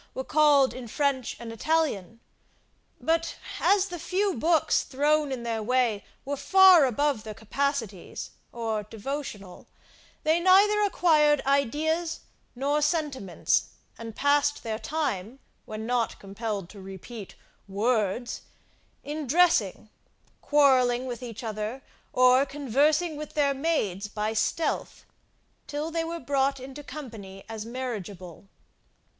were called in French and Italian; but as the few books thrown in their way were far above their capacities, or devotional, they neither acquired ideas nor sentiments, and passed their time, when not compelled to repeat WORDS, in dressing, quarrelling with each other, or conversing with their maids by stealth, till they were brought into company as marriageable.